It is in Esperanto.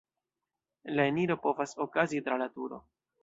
La eniro povas okazi tra la turo.